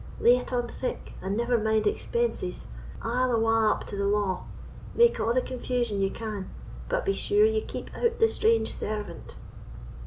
Lay it on thick, and never mind expenses. I'll awa' up to the la'. Make a' the confusion ye can; but be sure ye keep out the strange servant."